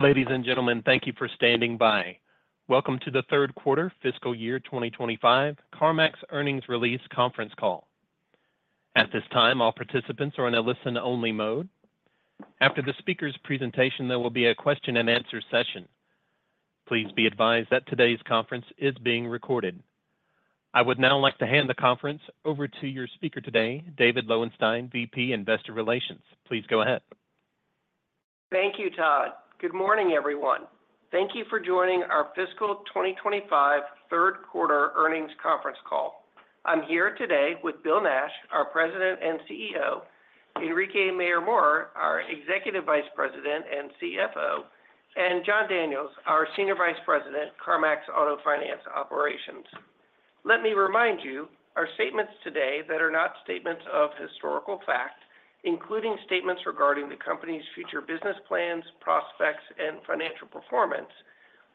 Ladies and gentlemen, thank you for standing by. Welcome to the Third Quarter, Fiscal Year 2025, CarMax Earnings Release Conference Call. At this time, all participants are in a listen-only mode. After the speaker's presentation, there will be a question-and-answer session. Please be advised that today's conference is being recorded. I would now like to hand the conference over to your speaker today, David Lowenstein, VP Investor Relations. Please go ahead. Thank you, Todd. Good morning, everyone. Thank you for joining our Fiscal 2025 Third Quarter Earnings Conference Call. I'm here today with Bill Nash, our President and CEO, Enrique Mayor-Mora, our Executive Vice President and CFO, and Jon Daniels, our Senior Vice President, CarMax Auto Finance Operations. Let me remind you, our statements today that are not statements of historical fact, including statements regarding the company's future business plans, prospects, and financial performance,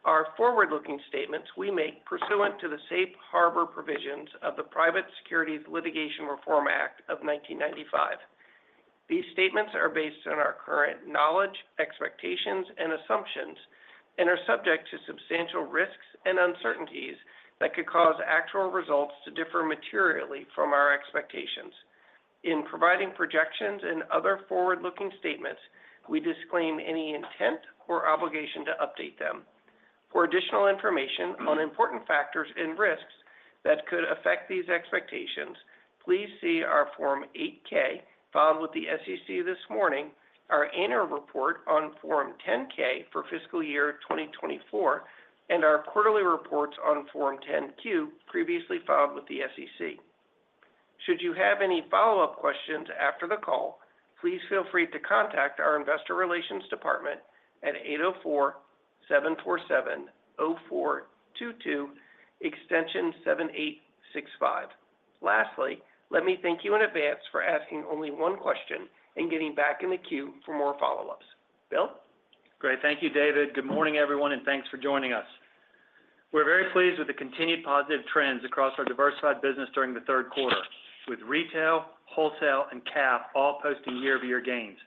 are forward-looking statements we make pursuant to the safe harbor provisions of the Private Securities Litigation Reform Act of 1995. These statements are based on our current knowledge, expectations, and assumptions, and are subject to substantial risks and uncertainties that could cause actual results to differ materially from our expectations. In providing projections and other forward-looking statements, we disclaim any intent or obligation to update them. For additional information on important factors and risks that could affect these expectations, please see our Form 8-K filed with the SEC this morning, our annual report on Form 10-K for fiscal year 2024, and our quarterly reports on Form 10-Q previously filed with the SEC. Should you have any follow-up questions after the call, please feel free to contact our Investor Relations Department at 804-747-0422, extension 7865. Lastly, let me thank you in advance for asking only one question and getting back in the queue for more follow-ups. Bill? Great. Thank you, David. Good morning, everyone, and thanks for joining us. We're very pleased with the continued positive trends across our diversified business during the third quarter, with retail, wholesale, and CAF all posting year-over-year gains.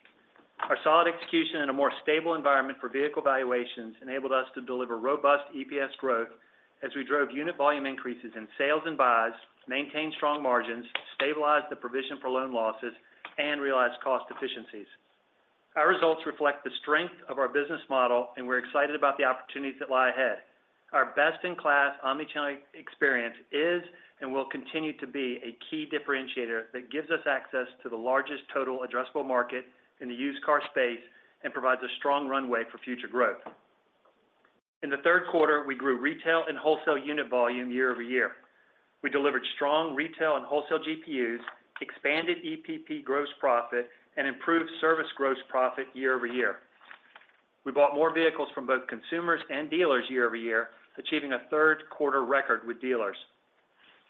Our solid execution in a more stable environment for vehicle valuations enabled us to deliver robust EPS growth as we drove unit volume increases in sales and buys, maintained strong margins, stabilized the provision for loan losses, and realized cost efficiencies. Our results reflect the strength of our business model, and we're excited about the opportunities that lie ahead. Our best-in-class omnichannel experience is and will continue to be a key differentiator that gives us access to the largest total addressable market in the used car space and provides a strong runway for future growth. In the third quarter, we grew retail and wholesale unit volume year-over-year. We delivered strong retail and wholesale GPUs, expanded EPP gross profit, and improved service gross profit year-over-year. We bought more vehicles from both consumers and dealers year-over-year, achieving a third-quarter record with dealers.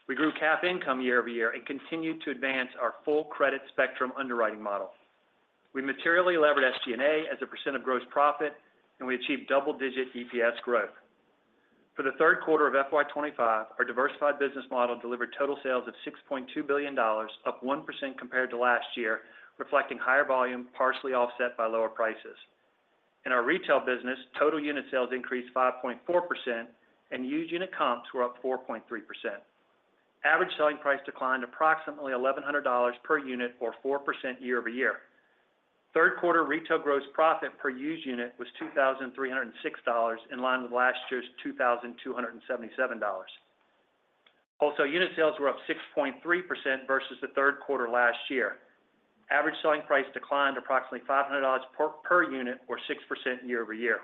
We grew CAF income year-over-year and continued to advance our full credit spectrum underwriting model. We materially levered SG&A as a percent of gross profit, and we achieved double-digit EPS growth. For the third quarter of FY25, our diversified business model delivered total sales of $6.2 billion, up 1% compared to last year, reflecting higher volume partially offset by lower prices. In our retail business, total unit sales increased 5.4%, and used unit comps were up 4.3%. Average selling price declined approximately $1,100 per unit, or 4% year-over-year. Third-quarter retail gross profit per used unit was $2,306, in line with last year's $2,277. Wholesale unit sales were up 6.3% versus the third quarter last year. Average selling price declined approximately $500 per unit, or 6% year-over-year.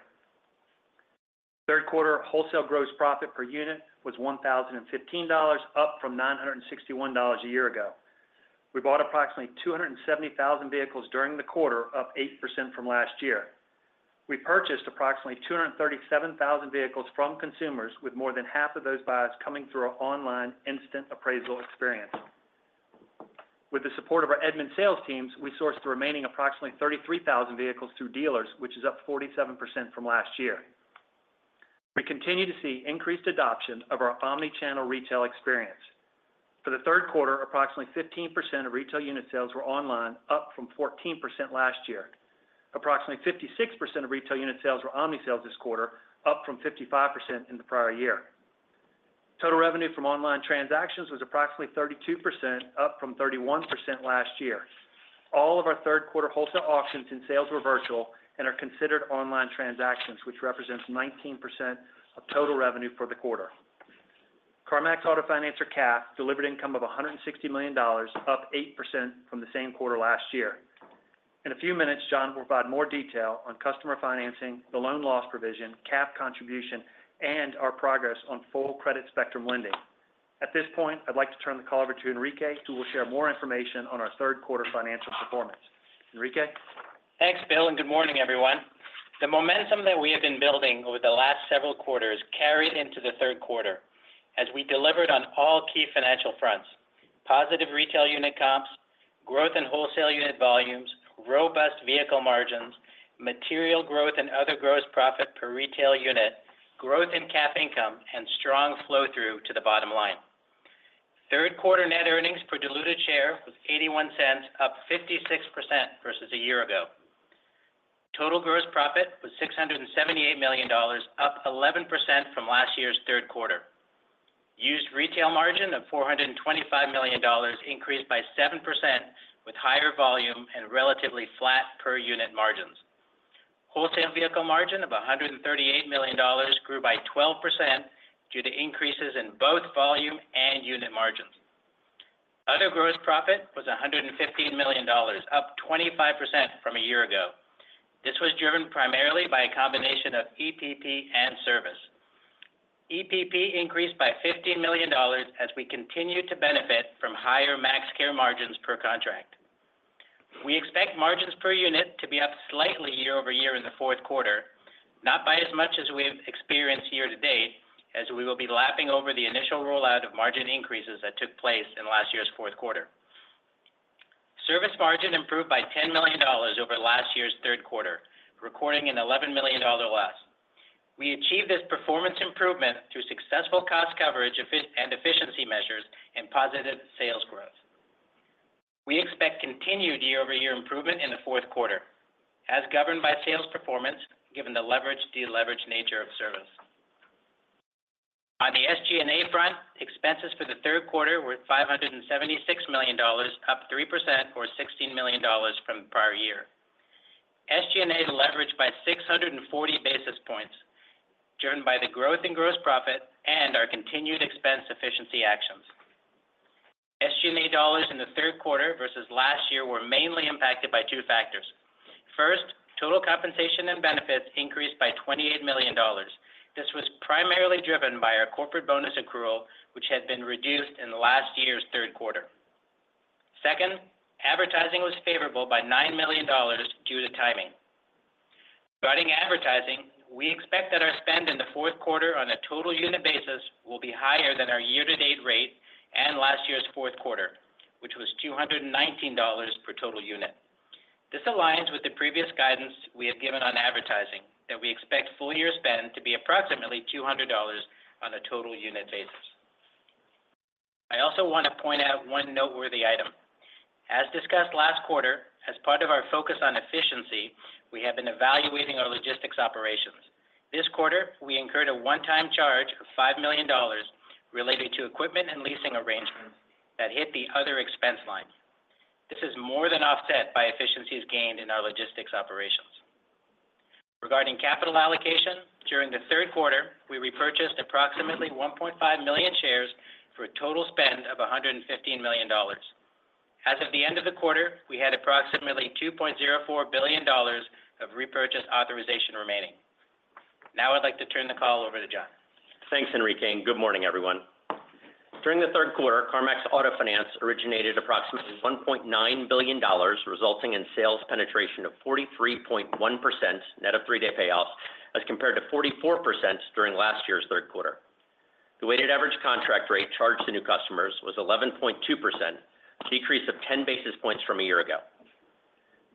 Third-quarter wholesale gross profit per unit was $1,015, up from $961 a year ago. We bought approximately 270,000 vehicles during the quarter, up 8% from last year. We purchased approximately 237,000 vehicles from consumers, with more than half of those buys coming through our online instant appraisal experience. With the support of our Edmunds sales teams, we sourced the remaining approximately 33,000 vehicles through dealers, which is up 47% from last year. We continue to see increased adoption of our omnichannel retail experience. For the third quarter, approximately 15% of retail unit sales were online, up from 14% last year. Approximately 56% of retail unit sales were omnichannel this quarter, up from 55% in the prior year. Total revenue from online transactions was approximately 32%, up from 31% last year. All of our third-quarter wholesale auctions and sales were virtual and are considered online transactions, which represents 19% of total revenue for the quarter. CarMax Auto Finance or CAF delivered income of $160 million, up 8% from the same quarter last year. In a few minutes, Jon will provide more detail on customer financing, the loan loss provision, CAF contribution, and our progress on full credit spectrum lending. At this point, I'd like to turn the call over to Enrique, who will share more information on our third-quarter financial performance. Enrique? Thanks, Bill, and good morning, everyone. The momentum that we have been building over the last several quarters carried into the third quarter as we delivered on all key financial fronts: positive retail unit comps, growth in wholesale unit volumes, robust vehicle margins, material growth in other gross profit per retail unit, growth in CAF income, and strong flow-through to the bottom line. Third-quarter net earnings per diluted share was $0.81, up 56% versus a year ago. Total gross profit was $678 million, up 11% from last year's third quarter. Used retail margin of $425 million increased by 7% with higher volume and relatively flat per unit margins. Wholesale vehicle margin of $138 million grew by 12% due to increases in both volume and unit margins. Other gross profit was $115 million, up 25% from a year ago. This was driven primarily by a combination of EPP and service. EPP increased by $15 million as we continue to benefit from higher MaxCare margins per contract. We expect margins per unit to be up slightly year-over-year in the fourth quarter, not by as much as we've experienced year-to-date, as we will be lapping over the initial rollout of margin increases that took place in last year's fourth quarter. Service margin improved by $10 million over last year's third quarter, recording an $11 million loss. We achieved this performance improvement through successful cost coverage and efficiency measures and positive sales growth. We expect continued year-over-year improvement in the fourth quarter, as governed by sales performance given the leveraged/deleveraged nature of service. On the SG&A front, expenses for the third quarter were $576 million, up 3%, or $16 million from the prior year. SG&A leveraged by 640 basis points, driven by the growth in gross profit and our continued expense efficiency actions. SG&A dollars in the third quarter versus last year were mainly impacted by two factors. First, total compensation and benefits increased by $28 million. This was primarily driven by our corporate bonus accrual, which had been reduced in last year's third quarter. Second, advertising was favorable by $9 million due to timing. Regarding advertising, we expect that our spend in the fourth quarter on a total unit basis will be higher than our year-to-date rate and last year's fourth quarter, which was $219 per total unit. This aligns with the previous guidance we have given on advertising, that we expect full-year spend to be approximately $200 on a total unit basis. I also want to point out one noteworthy item. As discussed last quarter, as part of our focus on efficiency, we have been evaluating our logistics operations. This quarter, we incurred a one-time charge of $5 million related to equipment and leasing arrangements that hit the other expense line. This is more than offset by efficiencies gained in our logistics operations. Regarding capital allocation, during the third quarter, we repurchased approximately 1.5 million shares for a total spend of $115 million. As of the end of the quarter, we had approximately $2.04 billion of repurchase authorization remaining. Now I'd like to turn the call over to Jon. Thanks, Enrique, and good morning, everyone. During the third quarter, CarMax Auto Finance originated approximately $1.9 billion, resulting in sales penetration of 43.1% net of three-day payoffs, as compared to 44% during last year's third quarter. The weighted average contract rate charged to new customers was 11.2%, a decrease of 10 basis points from a year ago.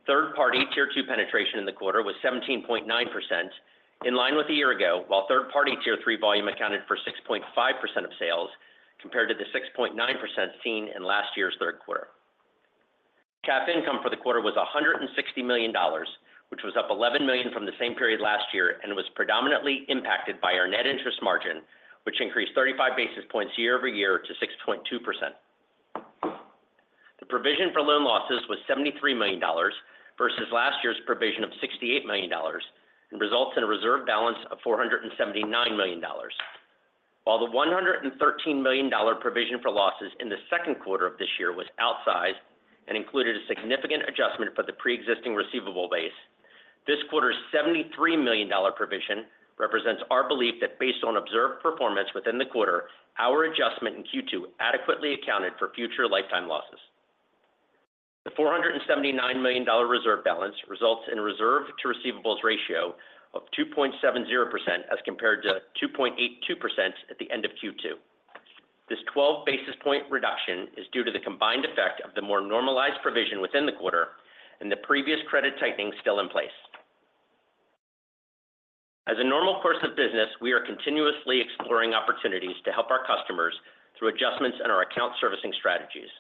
Third-party tier two penetration in the quarter was 17.9%, in line with a year ago, while third-party tier three volume accounted for 6.5% of sales, compared to the 6.9% seen in last year's third quarter. CAF income for the quarter was $160 million, which was up $11 million from the same period last year, and was predominantly impacted by our net interest margin, which increased 35 basis points year-over-year to 6.2%. The provision for loan losses was $73 million versus last year's provision of $68 million, and results in a reserve balance of $479 million. While the $113 million provision for losses in the second quarter of this year was outsized and included a significant adjustment for the pre-existing receivable base, this quarter's $73 million provision represents our belief that, based on observed performance within the quarter, our adjustment in Q2 adequately accounted for future lifetime losses. The $479 million reserve balance results in a reserve-to-receivables ratio of 2.70% as compared to 2.82% at the end of Q2. This 12 basis point reduction is due to the combined effect of the more normalized provision within the quarter and the previous credit tightening still in place. As a normal course of business, we are continuously exploring opportunities to help our customers through adjustments in our account servicing strategies.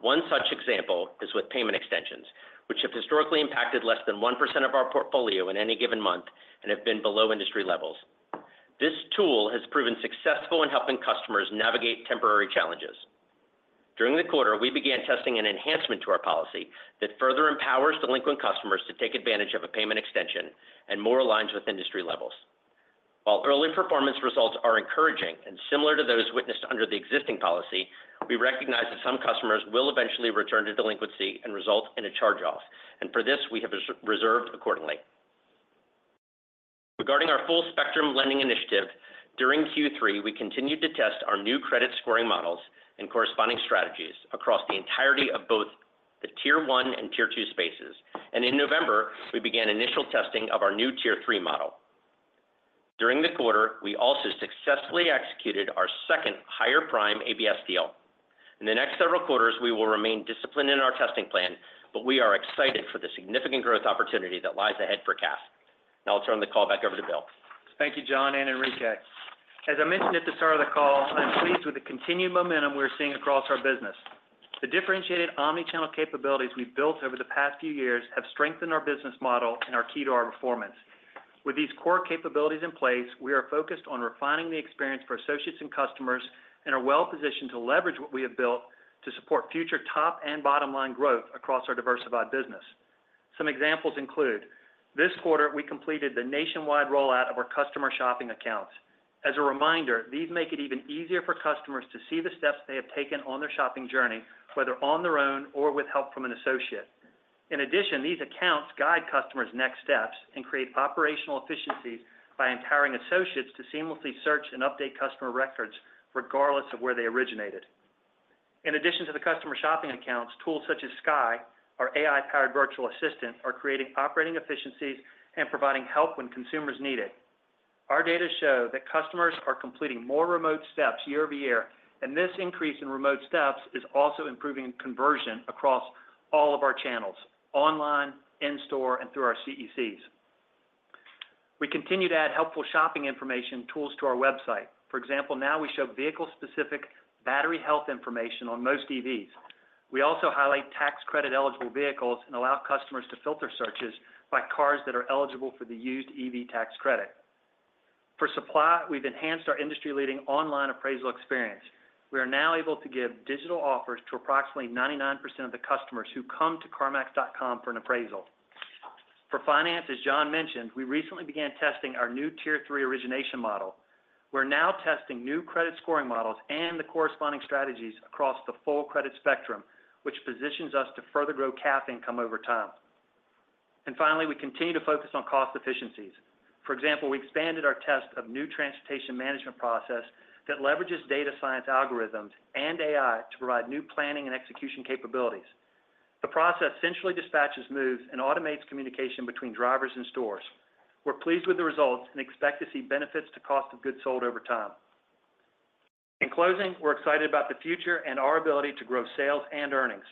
One such example is with payment extensions, which have historically impacted less than 1% of our portfolio in any given month and have been below industry levels. This tool has proven successful in helping customers navigate temporary challenges. During the quarter, we began testing an enhancement to our policy that further empowers delinquent customers to take advantage of a payment extension and more aligns with industry levels. While early performance results are encouraging and similar to those witnessed under the existing policy, we recognize that some customers will eventually return to delinquency and result in a charge-off, and for this, we have reserved accordingly. Regarding our full-spectrum lending initiative, during Q3, we continued to test our new credit scoring models and corresponding strategies across the entirety of both the tier one and tier two spaces, and in November, we began initial testing of our new tier three model. During the quarter, we also successfully executed our second higher prime ABS deal. In the next several quarters, we will remain disciplined in our testing plan, but we are excited for the significant growth opportunity that lies ahead for CAF. Now I'll turn the call back over to Bill. Thank you, Jon and Enrique. As I mentioned at the start of the call, I'm pleased with the continued momentum we're seeing across our business. The differentiated omnichannel capabilities we've built over the past few years have strengthened our business model and are key to our performance. With these core capabilities in place, we are focused on refining the experience for associates and customers and are well-positioned to leverage what we have built to support future top and bottom-line growth across our diversified business. Some examples include: this quarter, we completed the nationwide rollout of our customer shopping accounts. As a reminder, these make it even easier for customers to see the steps they have taken on their shopping journey, whether on their own or with help from an associate. In addition, these accounts guide customers' next steps and create operational efficiencies by empowering associates to seamlessly search and update customer records, regardless of where they originated. In addition to the customer shopping accounts, tools such as Skye, our AI-powered virtual assistant, are creating operating efficiencies and providing help when consumers need it. Our data show that customers are completing more remote steps year-over-year, and this increase in remote steps is also improving conversion across all of our channels: online, in-store, and through our CECs. We continue to add helpful shopping information tools to our website. For example, now we show vehicle-specific battery health information on most EVs. We also highlight tax credit-eligible vehicles and allow customers to filter searches by cars that are eligible for the used EV tax credit. For supply, we've enhanced our industry-leading online appraisal experience. We are now able to give digital offers to approximately 99% of the customers who come to carmax.com for an appraisal. For finance, as Jon mentioned, we recently began testing our new tier three origination model. We're now testing new credit scoring models and the corresponding strategies across the full credit spectrum, which positions us to further grow CAF income over time. And finally, we continue to focus on cost efficiencies. For example, we expanded our test of new transportation management process that leverages data science algorithms and AI to provide new planning and execution capabilities. The process centrally dispatches moves and automates communication between drivers and stores. We're pleased with the results and expect to see benefits to cost of goods sold over time. In closing, we're excited about the future and our ability to grow sales and earnings.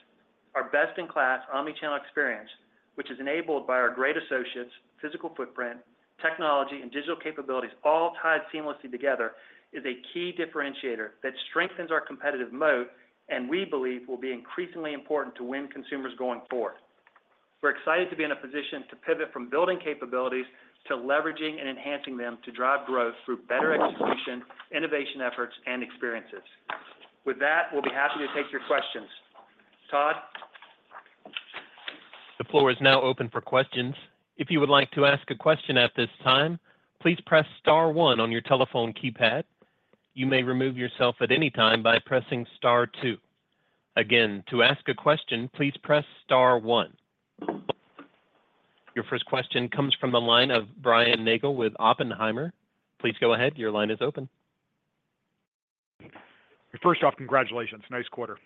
Our best-in-class omnichannel experience, which is enabled by our great associates, physical footprint, technology, and digital capabilities all tied seamlessly together, is a key differentiator that strengthens our competitive moat and we believe will be increasingly important to win consumers going forward. We're excited to be in a position to pivot from building capabilities to leveraging and enhancing them to drive growth through better execution, innovation efforts, and experiences. With that, we'll be happy to take your questions. Todd? The floor is now open for questions. If you would like to ask a question at this time, please press Star 1 on your telephone keypad. You may remove yourself at any time by pressing Star 2. Again, to ask a question, please press Star 1. Your first question comes from the line of Brian Nagel with Oppenheimer. Please go ahead. Your line is open. First off, congratulations. Nice quarter.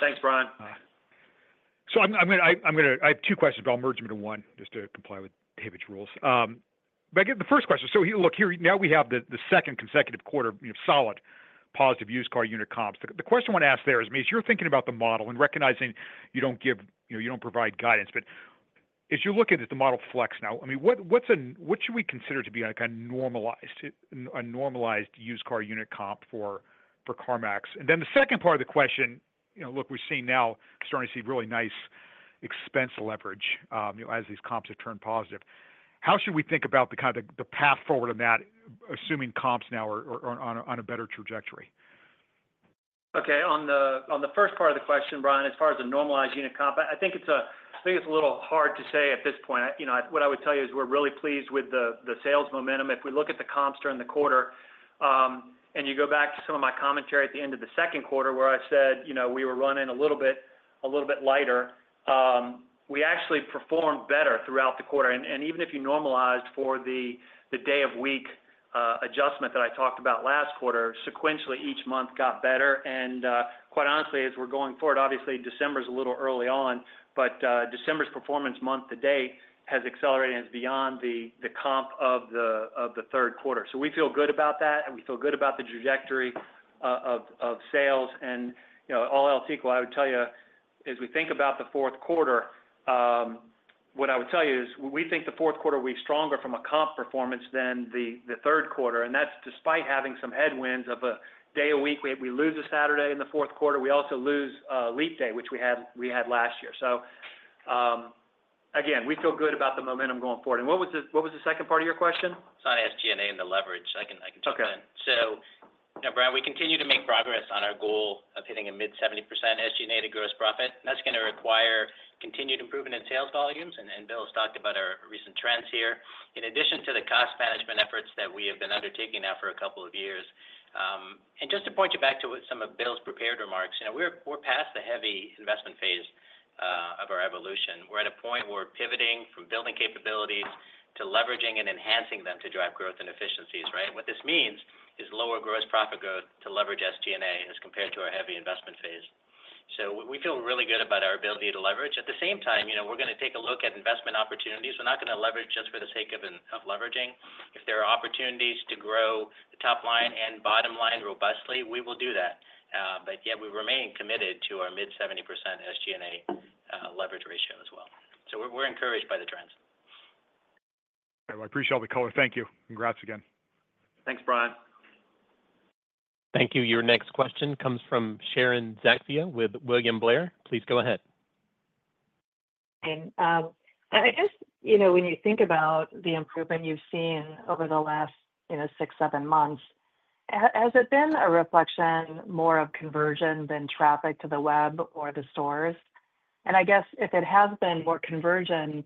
Thanks, Brian. So I'm going to. I have two questions, but I'll merge them into one just to comply with David's rules. The first question: so look, now we have the second consecutive quarter of solid positive used car unit comps. The question I want to ask there is, as you're thinking about the model and recognizing you don't provide guidance, but as you look at it, the model flex now, what should we consider to be a normalized used car unit comp for CarMax? And then the second part of the question: look, we're seeing now, starting to see really nice expense leverage as these comps have turned positive. How should we think about the path forward on that, assuming comps now are on a better trajectory? Okay. On the first part of the question, Brian, as far as a normalized unit comp, I think it's a little hard to say at this point. What I would tell you is we're really pleased with the sales momentum. If we look at the comps during the quarter, and you go back to some of my commentary at the end of the second quarter where I said we were running a little bit lighter, we actually performed better throughout the quarter. And even if you normalized for the day-of-week adjustment that I talked about last quarter, sequentially each month got better. And quite honestly, as we're going forward, obviously, December is a little early on, but December's performance month-to-date has accelerated and is beyond the comp of the third quarter. So we feel good about that, and we feel good about the trajectory of sales. And all else equal, I would tell you, as we think about the fourth quarter, what I would tell you is we think the fourth quarter will be stronger from a comp performance than the third quarter. And that's despite having some headwinds of a day-of-week we lose a Saturday in the fourth quarter. We also lose a leap day, which we had last year. So again, we feel good about the momentum going forward. And what was the second part of your question? It's on SG&A and the leverage. I can jump in. So now, Brian, we continue to make progress on our goal of hitting a mid-70% SG&A to gross profit. That's going to require continued improvement in sales volumes. And Bill has talked about our recent trends here, in addition to the cost management efforts that we have been undertaking now for a couple of years. And just to point you back to some of Bill's prepared remarks, we're past the heavy investment phase of our evolution. We're at a point where we're pivoting from building capabilities to leveraging and enhancing them to drive growth and efficiencies. Right? What this means is lower gross profit growth to leverage SG&A as compared to our heavy investment phase. So we feel really good about our ability to leverage. At the same time, we're going to take a look at investment opportunities. We're not going to leverage just for the sake of leveraging. If there are opportunities to grow top-line and bottom-line robustly, we will do that. But yet we remain committed to our mid-70% SG&A leverage ratio as well. So we're encouraged by the trends. I appreciate all the color. Thank you. Congrats again. Thanks, Brian. Thank you. Your next question comes from Sharon Zackfia with William Blair. Please go ahead. I guess when you think about the improvement you've seen over the last six, seven months, has it been a reflection more of conversion than traffic to the web or the stores? I guess if it has been more conversion,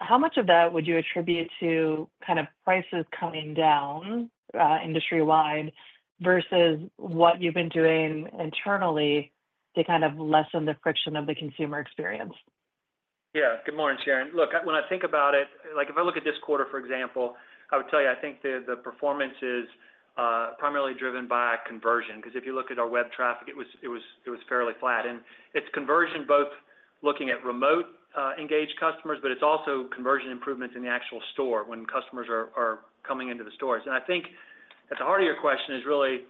how much of that would you attribute to kind of prices coming down industry-wide versus what you've been doing internally to kind of lessen the friction of the consumer experience? Yeah. Good morning, Sharon. Look, when I think about it, if I look at this quarter, for example, I would tell you I think the performance is primarily driven by conversion. Because if you look at our web traffic, it was fairly flat. And it's conversion both looking at remote engaged customers, but it's also conversion improvements in the actual store when customers are coming into the stores. And I think at the heart of your question is really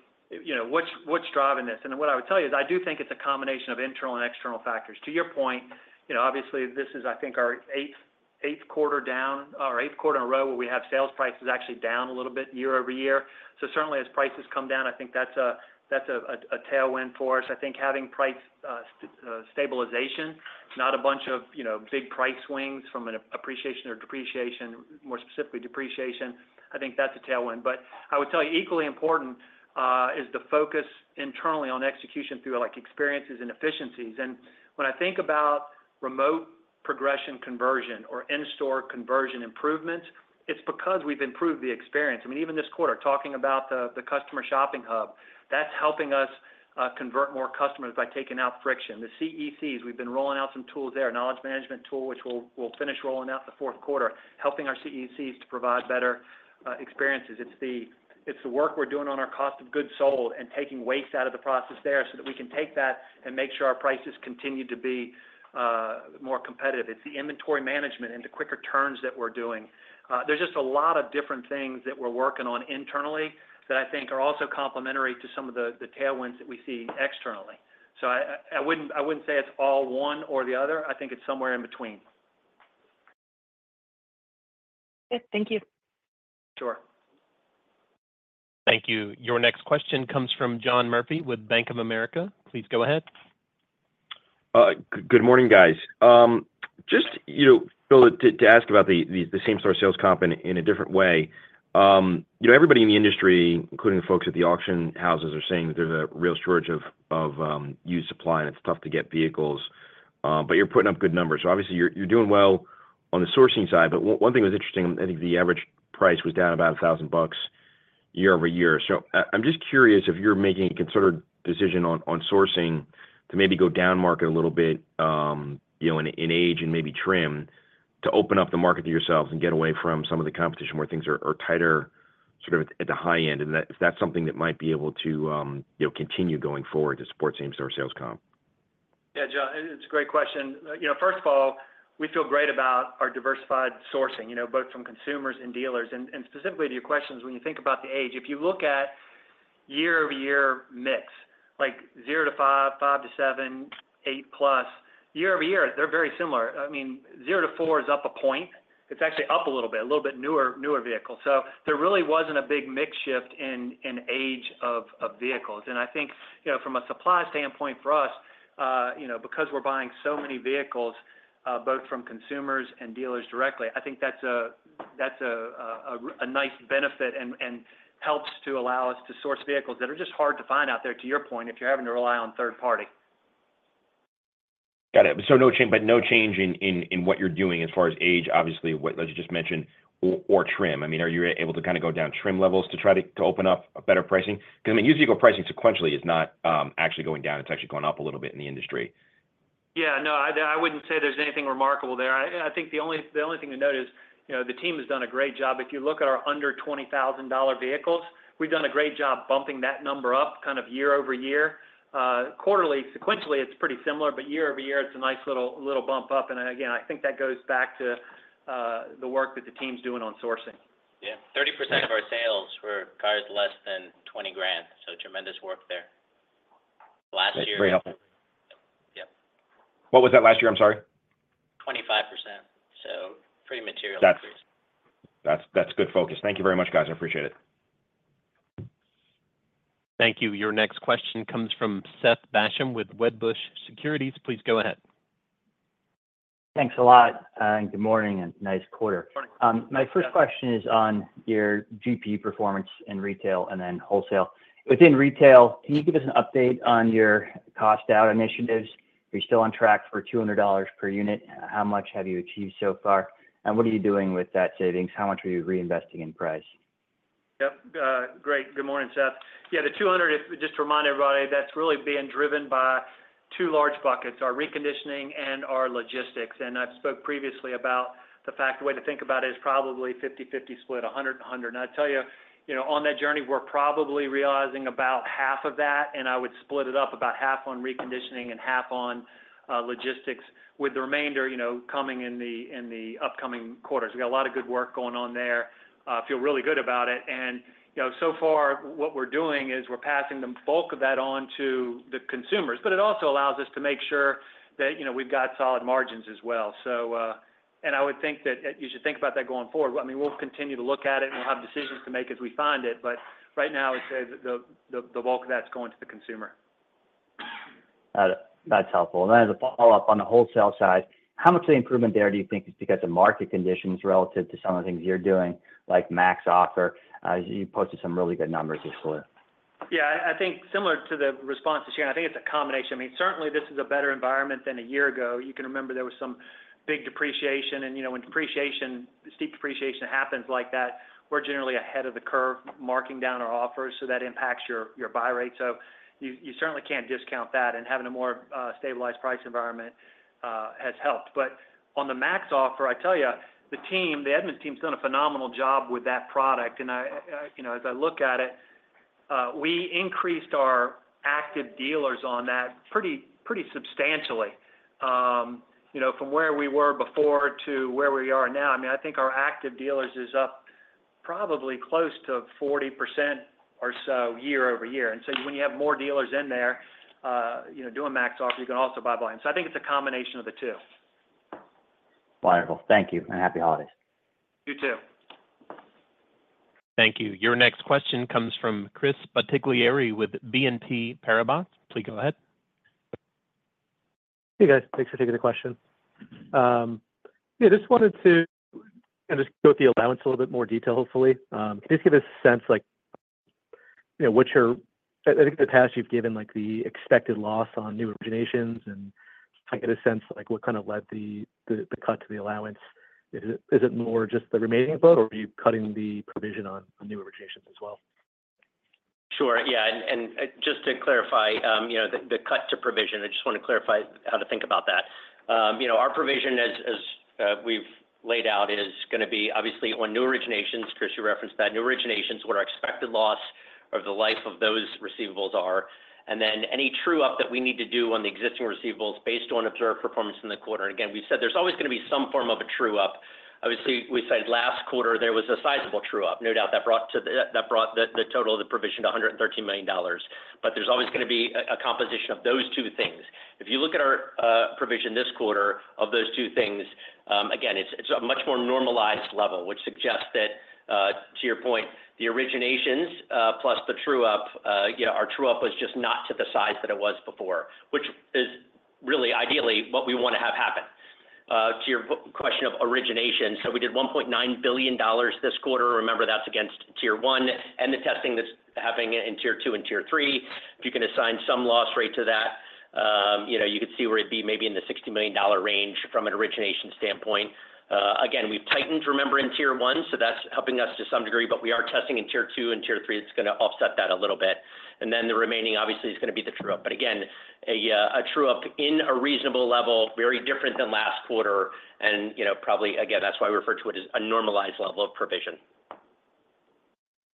what's driving this. And what I would tell you is I do think it's a combination of internal and external factors. To your point, obviously, this is, I think, our eighth quarter down, our eighth quarter in a row where we have sales prices actually down a little bit year-over-year. So certainly, as prices come down, I think that's a tailwind for us. I think having price stabilization, not a bunch of big price swings from an appreciation or depreciation, more specifically depreciation, I think that's a tailwind. But I would tell you equally important is the focus internally on execution through experiences and efficiencies. And when I think about remote progression conversion or in-store conversion improvements, it's because we've improved the experience. I mean, even this quarter, talking about the customer shopping hub, that's helping us convert more customers by taking out friction. The CECs, we've been rolling out some tools there, a knowledge management tool, which we'll finish rolling out the fourth quarter, helping our CECs to provide better experiences. It's the work we're doing on our cost of goods sold and taking waste out of the process there so that we can take that and make sure our prices continue to be more competitive. It's the inventory management and the quicker turns that we're doing. There's just a lot of different things that we're working on internally that I think are also complementary to some of the tailwinds that we see externally. So I wouldn't say it's all one or the other. I think it's somewhere in between. Thank you. Sure. Thank you. Your next question comes from John Murphy with Bank of America. Please go ahead. Good morning, guys. Just to ask about the same-store sales comp in a different way. Everybody in the industry, including the folks at the auction houses, are saying that there's a real shortage of used supply, and it's tough to get vehicles. But you're putting up good numbers. So obviously, you're doing well on the sourcing side. But one thing was interesting. I think the average price was down about $1,000 year-over-year. So I'm just curious if you're making a considered decision on sourcing to maybe go down market a little bit in age and maybe trim to open up the market to yourselves and get away from some of the competition where things are tighter sort of at the high end, and is that something that might be able to continue going forward to support same-store sales comp? Yeah, Jon, it's a great question. First of all, we feel great about our diversified sourcing, both from consumers and dealers. And specifically to your questions, when you think about the age, if you look at year-over-year mix, like 0 to 5, 5 to 7, 8 plus, year-over-year, they're very similar. I mean, 0 to 4 is up a point. It's actually up a little bit, a little bit newer vehicle. So there really wasn't a big mix shift in age of vehicles. And I think from a supply standpoint for us, because we're buying so many vehicles both from consumers and dealers directly, I think that's a nice benefit and helps to allow us to source vehicles that are just hard to find out there, to your point, if you're having to rely on third party. Got it. But no change in what you're doing as far as age, obviously, what you just mentioned, or trim? I mean, are you able to kind of go down trim levels to try to open up better pricing? Because I mean, used vehicle pricing sequentially is not actually going down. It's actually going up a little bit in the industry. Yeah. No, I wouldn't say there's anything remarkable there. I think the only thing to note is the team has done a great job. If you look at our under $20,000 vehicles, we've done a great job bumping that number up kind of year-over-year. Quarterly, sequentially, it's pretty similar, but year-over-year, it's a nice little bump up. And again, I think that goes back to the work that the team's doing on sourcing. Yeah. 30% of our sales were cars less than 20 grand. So tremendous work there. Last year. That's very helpful. What was that last year? I'm sorry. 25%, so pretty material increase. That's good focus. Thank you very much, guys. I appreciate it. Thank you. Your next question comes from Seth Basham with Wedbush Securities. Please go ahead. Thanks a lot. Good morning and nice quarter. My first question is on your GP performance in retail and then wholesale. Within retail, can you give us an update on your cost-out initiatives? Are you still on track for $200 per unit? How much have you achieved so far? And what are you doing with that savings? How much are you reinvesting in price? Yep. Great. Good morning, Seth. Yeah, the 200, just to remind everybody, that's really being driven by two large buckets, our reconditioning and our logistics. And I've spoke previously about the fact the way to think about it is probably 50/50 split, 100/100. And I tell you, on that journey, we're probably realizing about half of that. And I would split it up about half on reconditioning and half on logistics, with the remainder coming in the upcoming quarters. We've got a lot of good work going on there. I feel really good about it. And so far, what we're doing is we're passing the bulk of that on to the consumers. But it also allows us to make sure that we've got solid margins as well. And I would think that you should think about that going forward. I mean, we'll continue to look at it, and we'll have decisions to make as we find it. But right now, I'd say the bulk of that's going to the consumer. Got it. That's helpful. And as a follow-up on the wholesale side, how much of the improvement there do you think is because of market conditions relative to some of the things you're doing, like MaxOffer? You posted some really good numbers this quarter. Yeah. I think similar to the response to Sharon, I think it's a combination. I mean, certainly, this is a better environment than a year ago. You can remember there was some big depreciation. And when steep depreciation happens like that, we're generally ahead of the curve marking down our offers. So that impacts your buy rate. So you certainly can't discount that. And having a more stabilized price environment has helped. But on the MaxOffer, I tell you, the team, the Edmunds team, has done a phenomenal job with that product. And as I look at it, we increased our active dealers on that pretty substantially from where we were before to where we are now. I mean, I think our active dealers is up probably close to 40% or so year-over-year. And so when you have more dealers in there doing MaxOffer, you can also buy buy-in. So I think it's a combination of the two. Wonderful. Thank you. And happy holidays. You too. Thank you. Your next question comes from Chris Bottiglieri with BNP Paribas. Please go ahead. Hey, guys. Thanks for taking the question. Yeah, just wanted to kind of go through the allowance a little bit more detail, hopefully. Can you just give us a sense of what your—I think in the past, you've given the expected loss on new originations, and I get a sense of what kind of led the cut to the allowance. Is it more just the remaining flow, or are you cutting the provision on new originations as well? Sure. Yeah. And just to clarify the cut to provision, I just want to clarify how to think about that. Our provision, as we've laid out, is going to be obviously on new originations. Chris, you referenced that. New originations, what our expected loss over the life of those receivables are. And then any true-up that we need to do on the existing receivables based on observed performance in the quarter. And again, we've said there's always going to be some form of a true-up. Obviously, we said last quarter, there was a sizable true-up. No doubt that brought the total of the provision to $113 million. But there's always going to be a composition of those two things. If you look at our provision this quarter of those two things, again, it's a much more normalized level, which suggests that, to your point, the originations plus the true-up, our true-up was just not to the size that it was before, which is really ideally what we want to have happen. To your question of origination, so we did $1.9 billion this quarter. Remember, that's against tier one and the testing that's happening in tier two and tier three. If you can assign some loss rate to that, you could see where it'd be maybe in the $60 million range from an origination standpoint. Again, we've tightened, remember, in tier one. So that's helping us to some degree. But we are testing in tier two and tier three. It's going to offset that a little bit. And then the remaining, obviously, is going to be the true-up. But again, a true-up in a reasonable level, very different than last quarter. And probably, again, that's why we refer to it as a normalized level of provision.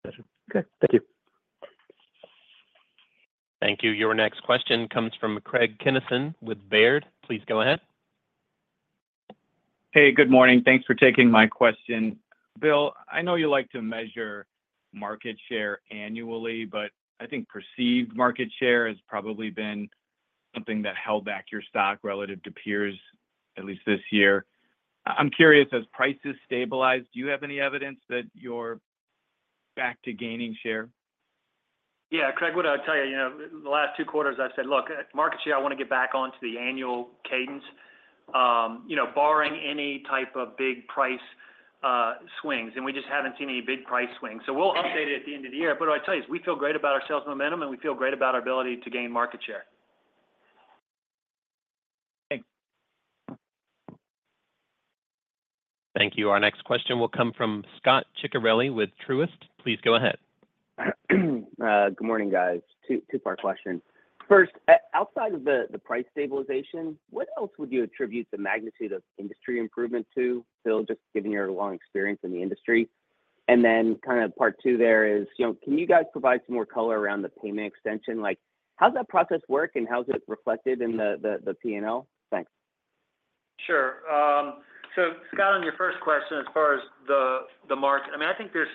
Gotcha. Okay. Thank you. Thank you. Your next question comes from Craig Kennison with Baird. Please go ahead. Hey, good morning. Thanks for taking my question. Bill, I know you like to measure market share annually, but I think perceived market share has probably been something that held back your stock relative to peers, at least this year. I'm curious, as prices stabilize, do you have any evidence that you're back to gaining share? Yeah. Craig, what I'll tell you, the last two quarters, I've said, "Look, market share, I want to get back onto the annual cadence, barring any type of big price swings." And we just haven't seen any big price swings. So we'll update it at the end of the year. But what I'll tell you is we feel great about our sales momentum, and we feel great about our ability to gain market share. Thanks. Thank you. Our next question will come from Scot Ciccarelli with Truist. Please go ahead. Good morning, guys. Two-part question. First, outside of the price stabilization, what else would you attribute the magnitude of industry improvement to, Bill, just given your long experience in the industry? And then kind of part two there is, can you guys provide some more color around the payment extension? How does that process work, and how is it reflected in the P&L? Thanks. Sure, so Scot, on your first question, as far as the market, I mean, I think there's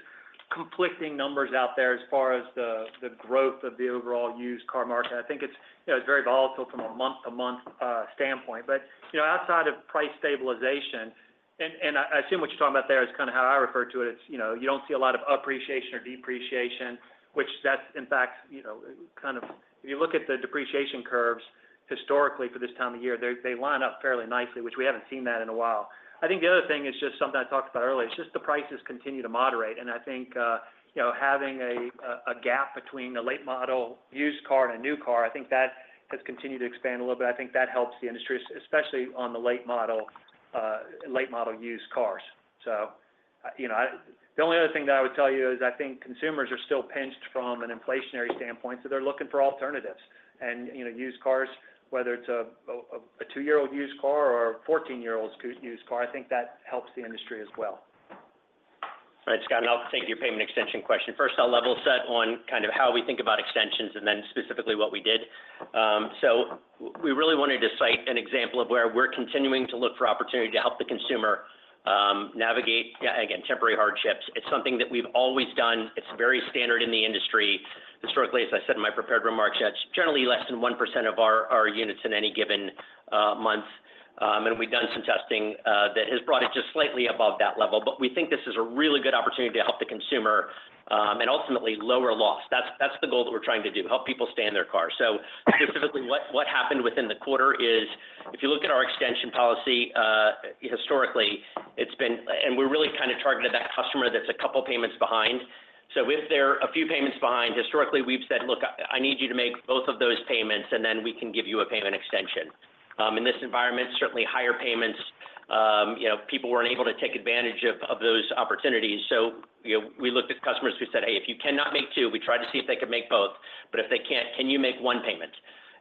conflicting numbers out there as far as the growth of the overall used car market. I think it's very volatile from a month-to-month standpoint, but outside of price stabilization, and I assume what you're talking about there is kind of how I refer to it, you don't see a lot of appreciation or depreciation, which that's, in fact, kind of if you look at the depreciation curves historically for this time of year, they line up fairly nicely, which we haven't seen that in a while. I think the other thing is just something I talked about earlier. It's just the prices continue to moderate, and I think having a gap between a late model used car and a new car, I think that has continued to expand a little bit. I think that helps the industry, especially on the late model used cars. So the only other thing that I would tell you is I think consumers are still pinched from an inflationary standpoint, so they're looking for alternatives. And used cars, whether it's a two-year-old used car or a 14-year-old used car, I think that helps the industry as well. All right, Scot. Now, I'll take your payment extension question. First, I'll level set on kind of how we think about extensions and then specifically what we did. So we really wanted to cite an example of where we're continuing to look for opportunity to help the consumer navigate, again, temporary hardships. It's something that we've always done. It's very standard in the industry. Historically, as I said in my prepared remarks, that's generally less than 1% of our units in any given month. And we've done some testing that has brought it just slightly above that level. But we think this is a really good opportunity to help the consumer and ultimately lower loss. That's the goal that we're trying to do, help people stay in their car. So specifically, what happened within the quarter is if you look at our extension policy, historically, it's been, and we really kind of targeted that customer that's a couple of payments behind. So if they're a few payments behind, historically, we've said, "Look, I need you to make both of those payments, and then we can give you a payment extension." In this environment, certainly higher payments, people weren't able to take advantage of those opportunities. So we looked at customers who said, "Hey, if you cannot make two, we tried to see if they could make both. But if they can't, can you make one payment?"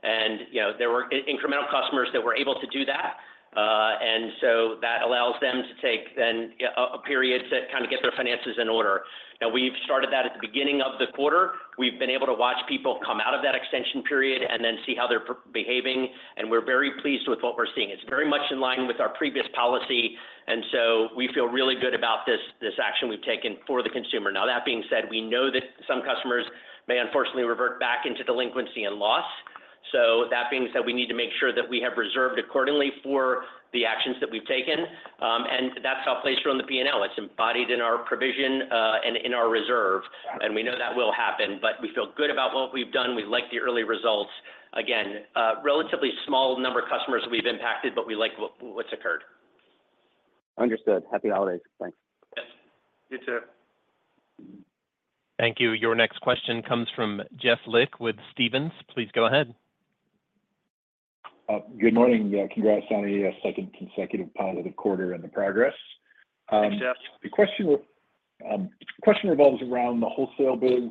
And there were incremental customers that were able to do that. And so that allows them to take then a period to kind of get their finances in order. Now, we've started that at the beginning of the quarter. We've been able to watch people come out of that extension period and then see how they're behaving. And we're very pleased with what we're seeing. It's very much in line with our previous policy. And so we feel really good about this action we've taken for the consumer. Now, that being said, we know that some customers may unfortunately revert back into delinquency and loss. So that being said, we need to make sure that we have reserved accordingly for the actions that we've taken. And that's how it's placed on the P&L. It's embodied in our provision and in our reserve. And we know that will happen. But we feel good about what we've done. We like the early results. Again, relatively small number of customers we've impacted, but we like what's occurred. Understood. Happy holidays. Thanks. Yep. You too. Thank you. Your next question comes from Jeff Lick with Stephens. Please go ahead. Good morning. Congrats on a second consecutive positive quarter and the progress. Thanks, Jeff. The question revolves around the wholesale biz.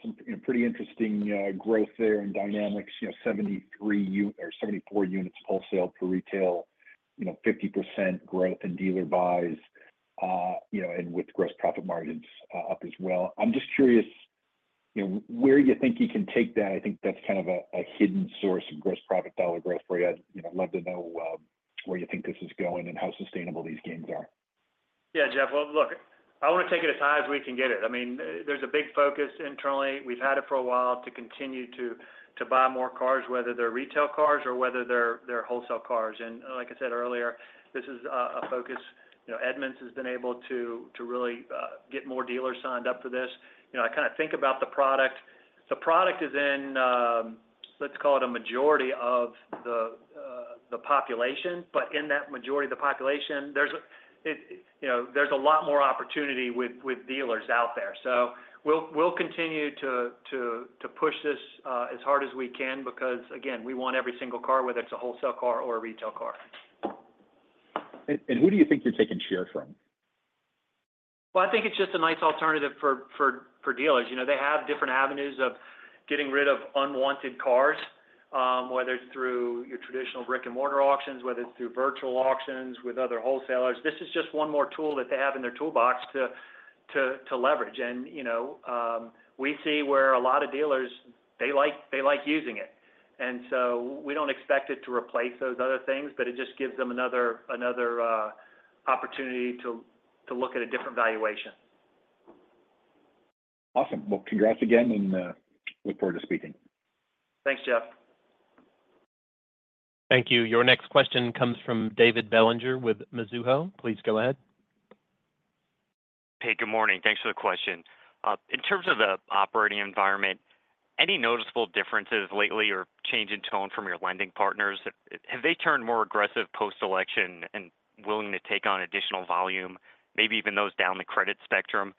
Some pretty interesting growth there and dynamics. 73 or 74 units wholesale per retail, 50% growth in dealer buys, and with gross profit margins up as well. I'm just curious where you think you can take that? I think that's kind of a hidden source of gross profit dollar growth for you. I'd love to know where you think this is going and how sustainable these gains are? Yeah, Jeff. Well, look, I want to take it as high as we can get it. I mean, there's a big focus internally. We've had it for a while to continue to buy more cars, whether they're retail cars or whether they're wholesale cars. And like I said earlier, this is a focus. Edmunds has been able to really get more dealers signed up for this. I kind of think about the product. The product is in, let's call it a majority of the population. But in that majority of the population, there's a lot more opportunity with dealers out there. So we'll continue to push this as hard as we can because, again, we want every single car, whether it's a wholesale car or a retail car. Who do you think you're taking share from? I think it's just a nice alternative for dealers. They have different avenues of getting rid of unwanted cars, whether it's through your traditional brick-and-mortar auctions, whether it's through virtual auctions with other wholesalers. This is just one more tool that they have in their toolbox to leverage. And we see where a lot of dealers, they like using it. And so we don't expect it to replace those other things, but it just gives them another opportunity to look at a different valuation. Awesome. Well, congrats again, and look forward to speaking. Thanks, Jeff. Thank you. Your next question comes from David Bellinger with Mizuho. Please go ahead. Hey, good morning. Thanks for the question. In terms of the operating environment, any noticeable differences lately or change in tone from your lending partners? Have they turned more aggressive post-election and willing to take on additional volume, maybe even those down the credit spectrum?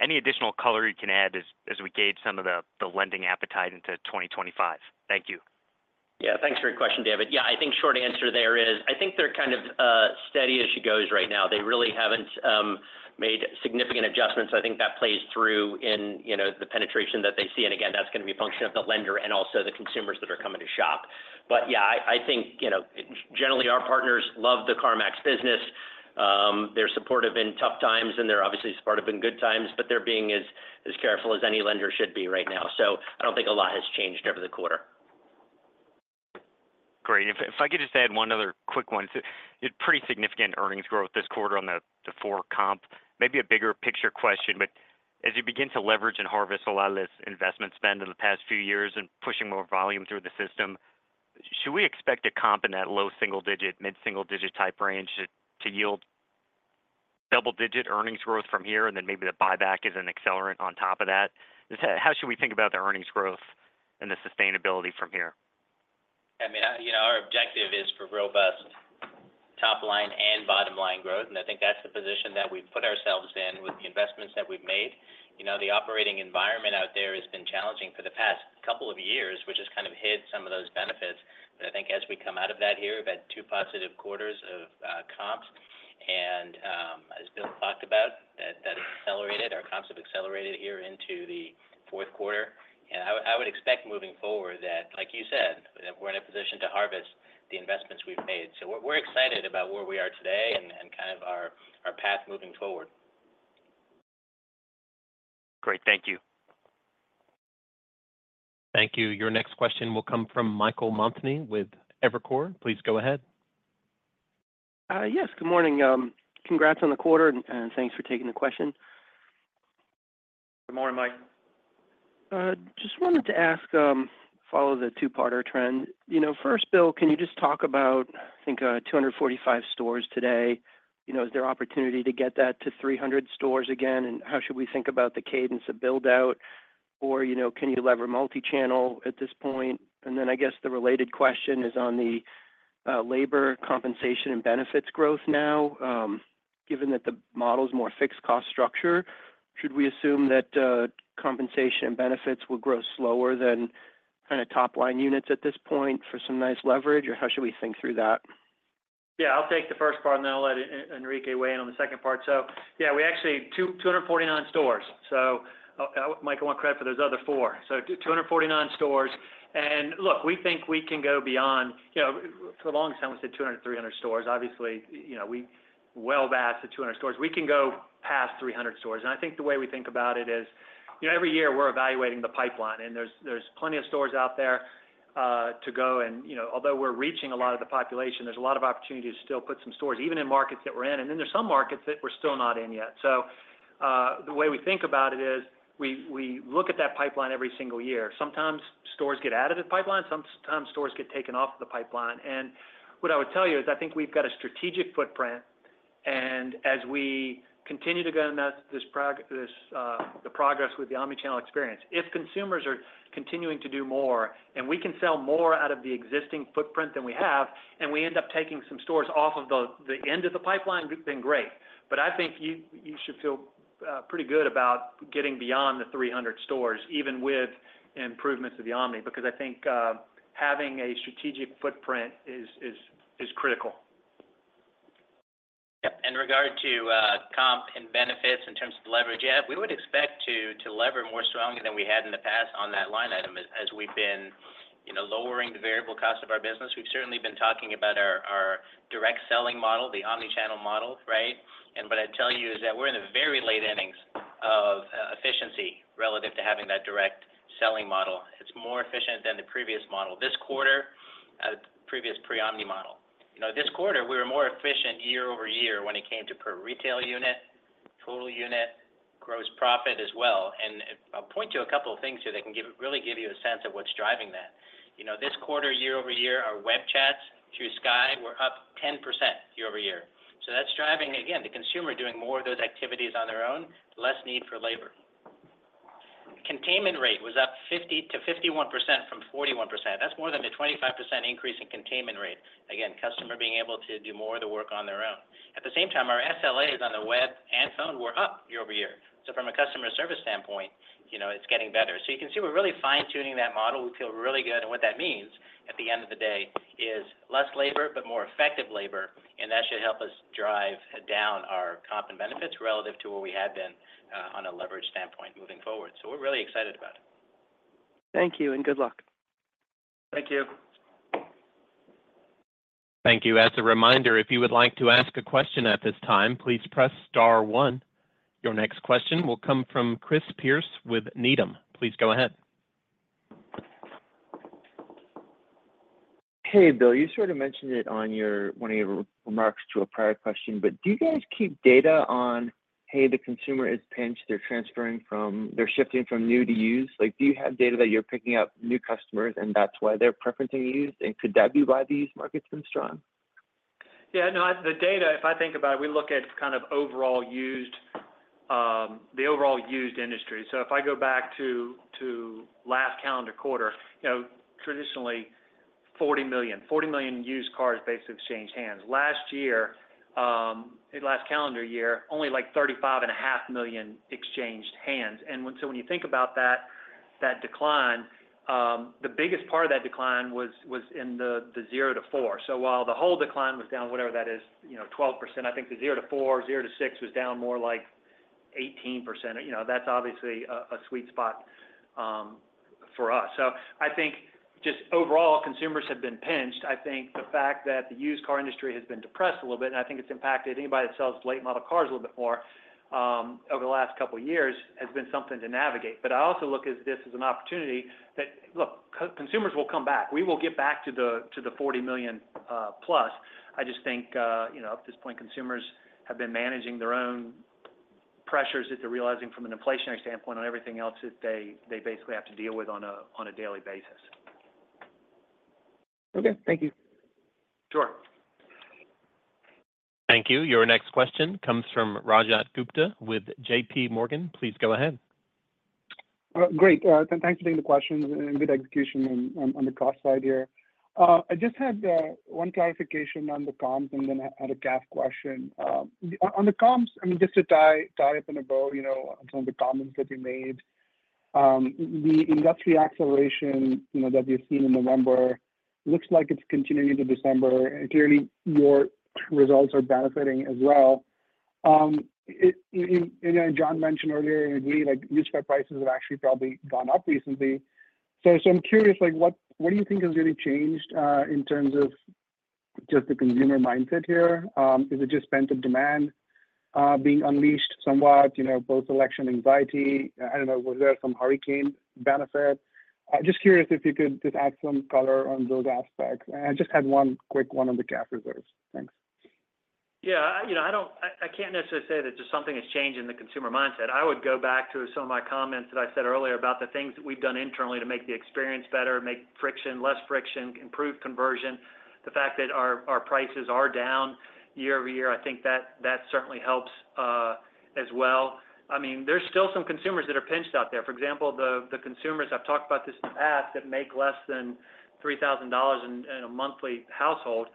Any additional color you can add as we gauge some of the lending appetite into 2025? Thank you. Yeah. Thanks for your question, David. Yeah, I think short answer there is I think they're kind of steady as you go right now. They really haven't made significant adjustments. I think that plays through in the penetration that they see. And again, that's going to be a function of the lender and also the consumers that are coming to shop. But yeah, I think generally our partners love the CarMax business. They're supportive in tough times, and they're obviously supportive in good times, but they're being as careful as any lender should be right now. So I don't think a lot has changed over the quarter. Great. If I could just add one other quick one. It's pretty significant earnings growth this quarter on the four-comp, maybe a bigger picture question, but as you begin to leverage and harvest a lot of this investment spend in the past few years and pushing more volume through the system, should we expect a comp in that low single-digit, mid-single-digit type range to yield double-digit earnings growth from here, and then maybe the buyback is an accelerant on top of that. How should we think about the earnings growth and the sustainability from here? I mean, our objective is for robust top-line and bottom-line growth. And I think that's the position that we've put ourselves in with the investments that we've made. The operating environment out there has been challenging for the past couple of years, which has kind of hid some of those benefits. But I think as we come out of that here, we've had two positive quarters of comps. And as Bill talked about, that accelerated. Our comps have accelerated here into the fourth quarter. And I would expect moving forward that, like you said, we're in a position to harvest the investments we've made. So we're excited about where we are today and kind of our path moving forward. Great. Thank you. Thank you. Your next question will come from Michael Montani with Evercore. Please go ahead. Yes. Good morning. Congrats on the quarter, and thanks for taking the question. Good morning, Mike. Just wanted to ask, following the two-parter trend. First, Bill, can you just talk about, I think, 245 stores today? Is there opportunity to get that to 300 stores again? And how should we think about the cadence of build-out? Or can you leverage multi-channel at this point? And then I guess the related question is on the labor compensation and benefits growth now. Given that the model is more fixed cost structure, should we assume that compensation and benefits will grow slower than kind of top-line units at this point for some nice leverage? Or how should we think through that? Yeah. I'll take the first part, and then I'll let Enrique weigh in on the second part, so yeah, we actually 249 stores, so Mike, I want credit for those other four, so 249 stores, and look, we think we can go beyond. For the longest time, we said 200, 300 stores. Obviously, we well past the 200 stores. We can go past 300 stores, and I think the way we think about it is every year we're evaluating the pipeline, and there's plenty of stores out there to go, and although we're reaching a lot of the population, there's a lot of opportunity to still put some stores even in markets that we're in, and then there's some markets that we're still not in yet, so the way we think about it is we look at that pipeline every single year. Sometimes stores get added to the pipeline. Sometimes stores get taken off of the pipeline, and what I would tell you is I think we've got a strategic footprint, and as we continue to go in this progress with the omnichannel experience, if consumers are continuing to do more and we can sell more out of the existing footprint than we have, and we end up taking some stores off of the end of the pipeline, then great, but I think you should feel pretty good about getting beyond the 300 stores even with improvements of the omni because I think having a strategic footprint is critical. Yep. In regard to comp and benefits in terms of leverage, yeah, we would expect to lever more strongly than we had in the past on that line item as we've been lowering the variable cost of our business. We've certainly been talking about our direct selling model, the omnichannel model, right? And what I'd tell you is that we're in the very late innings of efficiency relative to having that direct selling model. It's more efficient than the previous model, this quarter, the previous pre-omni model. This quarter, we were more efficient year-over-year when it came to per retail unit, total unit, gross profit as well. And I'll point to a couple of things here that can really give you a sense of what's driving that. This quarter, year-over-year, our web chats through Skye were up 10% year-over-year. So that's driving, again, the consumer doing more of those activities on their own, less need for labor. Containment rate was up 50%-51% from 41%. That's more than a 25% increase in containment rate. Again, customer being able to do more of the work on their own. At the same time, our SLAs on the web and phone were up year-over-year. So from a customer service standpoint, it's getting better. So you can see we're really fine-tuning that model. We feel really good. And what that means at the end of the day is less labor, but more effective labor. And that should help us drive down our comp and benefits relative to where we had been on a leverage standpoint moving forward. So we're really excited about it. Thank you, and good luck. Thank you. Thank you. As a reminder, if you would like to ask a question at this time, please press star one. Your next question will come from Chris Pierce with Needham. Please go ahead. Hey, Bill, you sort of mentioned it on one of your remarks to a prior question, but do you guys keep data on, hey, the consumer is pinched. They're shifting from new to used. Do you have data that you're picking up new customers, and that's why they're preferring used? And could that be why the used market's been strong? Yeah. No, the data, if I think about it, we look at kind of overall used the overall used industry. So if I go back to last calendar quarter, traditionally, 40 million used cars basically exchanged hands. Last year, last calendar year, only like 35.5 million exchanged hands. And so when you think about that decline, the biggest part of that decline was in the zero-to-four. So while the whole decline was down, whatever that is, 12%, I think the zero-to-four, zero-to-six was down more like 18%. That's obviously a sweet spot for us. So I think just overall, consumers have been pinched. I think the fact that the used car industry has been depressed a little bit, and I think it's impacted anybody that sells late model cars a little bit more over the last couple of years, has been something to navigate, but I also look at this as an opportunity that, look, consumers will come back. We will get back to the 40 million plus. I just think at this point, consumers have been managing their own pressures that they're realizing from an inflationary standpoint on everything else that they basically have to deal with on a daily basis. Okay. Thank you. Sure. Thank you. Your next question comes from Rajat Gupta with J.P. Morgan. Please go ahead. Great. Thanks for taking the question and good execution on the cost side here. I just had one clarification on the comps and then had a CAF question. On the comps, I mean, just to tie up in a bow on some of the comments that you made, the industry acceleration that we've seen in November looks like it's continuing into December. Clearly, your results are benefiting as well. And Jon mentioned earlier and agreed, used car prices have actually probably gone up recently. So I'm curious, what do you think has really changed in terms of just the consumer mindset here? Is it just pent-up demand being unleashed somewhat, post-election anxiety? I don't know. Was there some hurricane benefit? Just curious if you could just add some color on those aspects. And I just had one quick one on the CAF reserves. Thanks. Yeah. I can't necessarily say that just something has changed in the consumer mindset. I would go back to some of my comments that I said earlier about the things that we've done internally to make the experience better, make friction less friction, improve conversion. The fact that our prices are down year-over-year, I think that certainly helps as well. I mean, there's still some consumers that are pinched out there. For example, the consumers I've talked about this in the past that make less than $3,000 in a monthly household,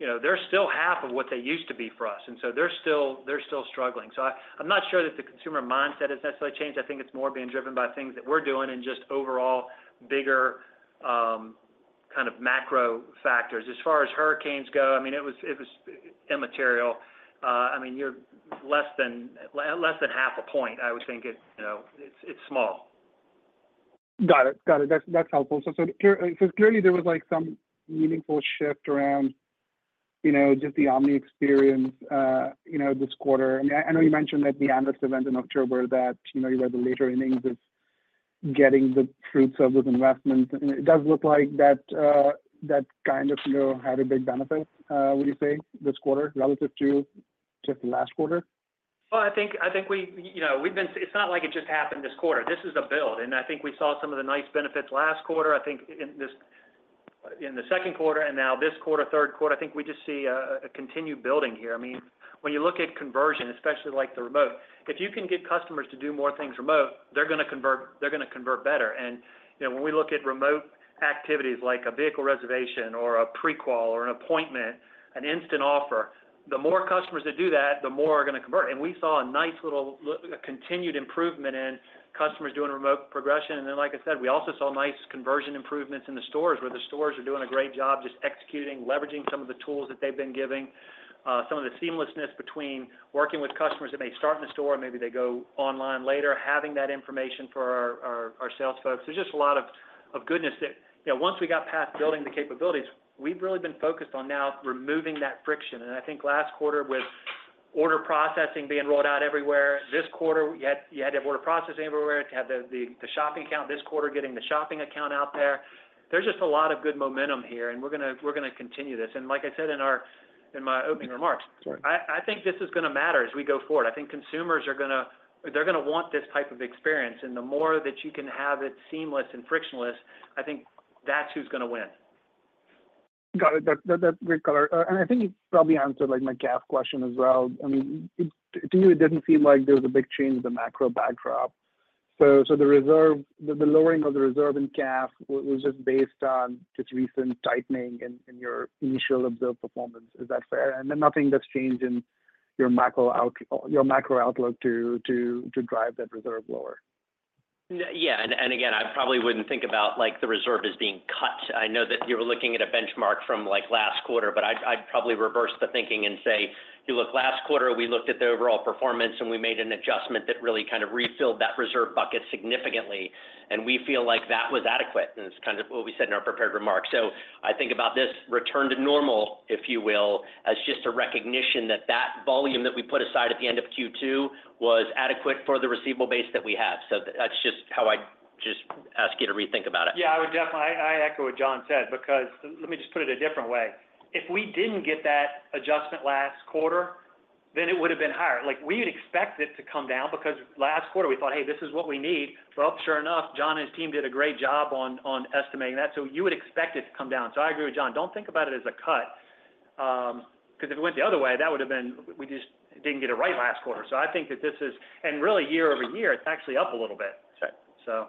they're still half of what they used to be for us. And so they're still struggling. So I'm not sure that the consumer mindset has necessarily changed. I think it's more being driven by things that we're doing and just overall bigger kind of macro factors. As far as hurricanes go, I mean, it was immaterial. I mean, you're less than 0.5 point, I would think. It's small. Got it. Got it. That's helpful. So clearly, there was some meaningful shift around just the omni experience this quarter. I mean, I know you mentioned at the analysts' event in October that you're in the later innings of getting the fruits of those investments. And it does look like that kind of had a big benefit, would you say, this quarter relative to just the last quarter? I think it's not like it just happened this quarter. This is a build. I think we saw some of the nice benefits last quarter, I think, in the second quarter, and now this quarter, third quarter. I think we just see a continued building here. I mean, when you look at conversion, especially like the remote, if you can get customers to do more things remote, they're going to convert better. When we look at remote activities like a vehicle reservation or a pre-qual or an appointment, an instant offer, the more customers that do that, the more are going to convert. We saw a nice little continued improvement in customers doing remote progression. And then, like I said, we also saw nice conversion improvements in the stores where the stores are doing a great job just executing, leveraging some of the tools that they've been giving, some of the seamlessness between working with customers that may start in the store and maybe they go online later, having that information for our sales folks. There's just a lot of goodness that once we got past building the capabilities, we've really been focused on now removing that friction. And I think last quarter with order processing being rolled out everywhere, this quarter, you had to have order processing everywhere to have the shopping account, this quarter getting the shopping account out there. There's just a lot of good momentum here, and we're going to continue this. And like I said in my opening remarks, I think this is going to matter as we go forward. I think consumers are going to want this type of experience. The more that you can have it seamless and frictionless, I think that's who's going to win. Got it. That's great color. And I think you probably answered my CAF question as well. I mean, to you, it didn't seem like there was a big change in the macro backdrop. So the lowering of the reserve in CAF was just based on just recent tightening in your initial observed performance. Is that fair? And then nothing that's changed in your macro outlook to drive that reserve lower? Yeah. And again, I probably wouldn't think about the reserve as being cut. I know that you were looking at a benchmark from last quarter, but I'd probably reverse the thinking and say, "Look, last quarter, we looked at the overall performance, and we made an adjustment that really kind of refilled that reserve bucket significantly. And we feel like that was adequate." And it's kind of what we said in our prepared remarks. So I think about this return to normal, if you will, as just a recognition that that volume that we put aside at the end of Q2 was adequate for the receivable base that we have. So that's just how I just ask you to rethink about it. Yeah. I would definitely echo what Jon said because let me just put it a different way. If we didn't get that adjustment last quarter, then it would have been higher. We would expect it to come down because last quarter, we thought, "Hey, this is what we need." Well, sure enough, Jon and his team did a great job on estimating that. So you would expect it to come down. So I agree with Jon. Don't think about it as a cut because if it went the other way, that would have been we just didn't get it right last quarter. So I think that this is and really, year-over-year, it's actually up a little bit, so.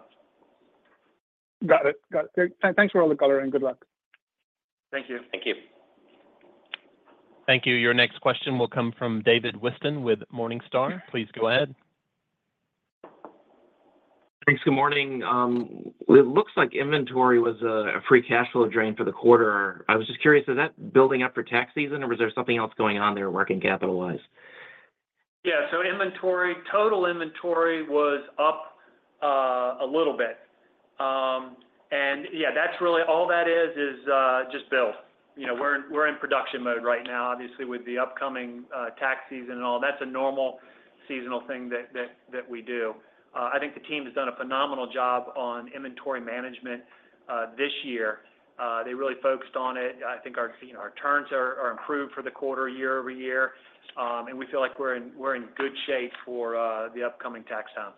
Got it. Got it. Thanks for all the color and good luck. Thank you. Thank you. Thank you. Your next question will come from David Whiston with Morningstar. Please go ahead. Thanks. Good morning. It looks like inventory was a free cash flow drain for the quarter. I was just curious, is that building up for tax season, or was there something else going on there working capital? Yeah. So total inventory was up a little bit. And yeah, that's really all that is, is just build. We're in production mode right now, obviously, with the upcoming tax season and all. That's a normal seasonal thing that we do. I think the team has done a phenomenal job on inventory management this year. They really focused on it. I think our turns are improved for the quarter, year-over-year. And we feel like we're in good shape for the upcoming tax time.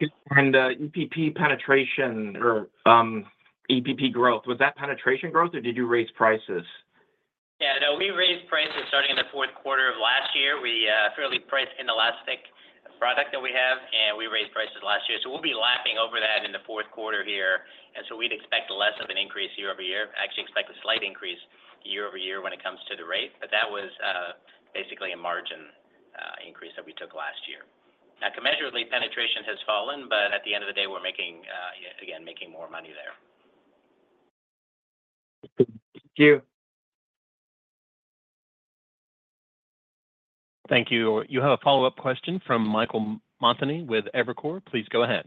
EPP penetration or EPP growth, was that penetration growth, or did you raise prices? Yeah. No, we raised prices starting in the fourth quarter of last year. We fairly priced in the last thick product that we have, and we raised prices last year. We'll be lapping over that in the fourth quarter here. We'd expect less of an increase year-over-year. Actually expect a slight increase year-over-year when it comes to the rate. That was basically a margin increase that we took last year. Now, commensurately, penetration has fallen, but at the end of the day, we're making, again, making more money there. Thank you. Thank you. You have a follow-up question from Michael Montani with Evercore ISI. Please go ahead.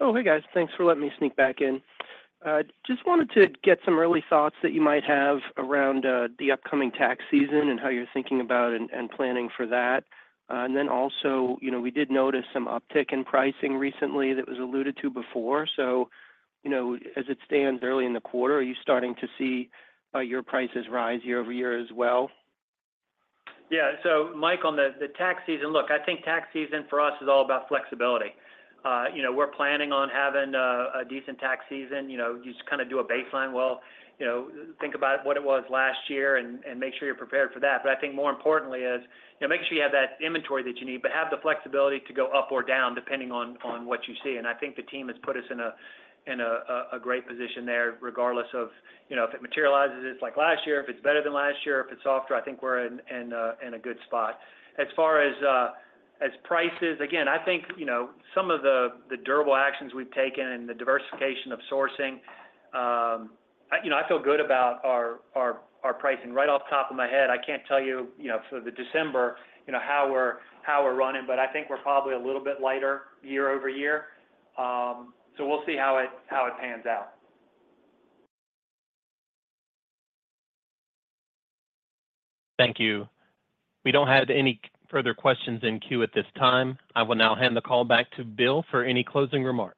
Oh, hey, guys. Thanks for letting me sneak back in. Just wanted to get some early thoughts that you might have around the upcoming tax season and how you're thinking about and planning for that, and then also, we did notice some uptick in pricing recently that was alluded to before, so as it stands early in the quarter, are you starting to see your prices rise year-over-year as well? Yeah. So Mike, on the tax season, look, I think tax season for us is all about flexibility. We're planning on having a decent tax season. You just kind of do a baseline. Well, think about what it was last year and make sure you're prepared for that. But I think more importantly is make sure you have that inventory that you need, but have the flexibility to go up or down depending on what you see. And I think the team has put us in a great position there regardless of if it materializes like last year, if it's better than last year, if it's softer, I think we're in a good spot. As far as prices, again, I think some of the durable actions we've taken and the diversification of sourcing, I feel good about our pricing. Right off the top of my head, I can't tell you for the December how we're running, but I think we're probably a little bit lighter year-over-year, so we'll see how it pans out. Thank you. We don't have any further questions in queue at this time. I will now hand the call back to Bill for any closing remarks.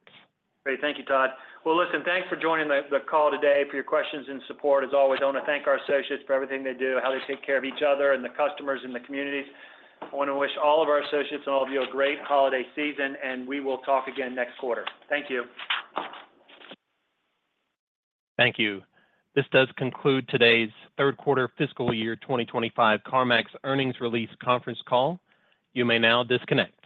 Great. Thank you, Todd. Well, listen, thanks for joining the call today for your questions and support. As always, I want to thank our associates for everything they do, how they take care of each other and the customers and the communities. I want to wish all of our associates and all of you a great holiday season, and we will talk again next quarter. Thank you. Thank you. This does conclude today's Third Quarter Fiscal Year 2025 CarMax Earnings Release Conference Call. You may now disconnect.